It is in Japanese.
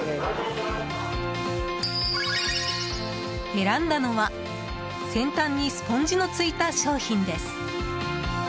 選んだのは先端にスポンジのついた商品です。